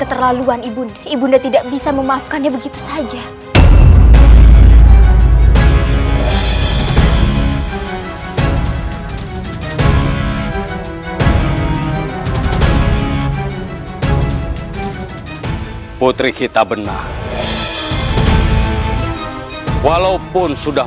perlaluan ibu ibu tidak bisa memaafkannya begitu saja putri kita benar walaupun sudah